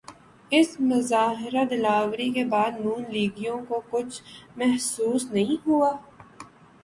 اس مظاہرہ دلاوری کے بعد نون لیگیوں کو کچھ محسوس نہیں ہوا؟